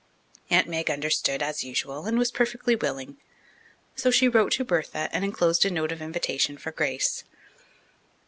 Aunt Meg understood, as usual, and was perfectly willing. So she wrote to Bertha and enclosed a note of invitation for Grace.